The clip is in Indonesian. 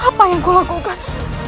apa yang aku lakukan